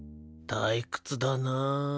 退屈だな。